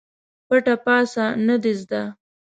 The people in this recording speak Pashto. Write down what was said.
پټه پڅه نه ده زده.